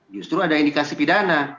justru ada indikasi pidana